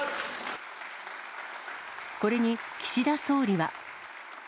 これに岸田総理は。